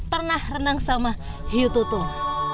pernah renang sama hiu tutul